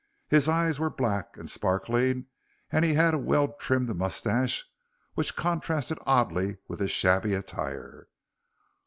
His eyes were black and sparkling and he had a well trimmed moustache which contrasted oddly with his shabby attire.